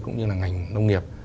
cũng như là ngành nông nghiệp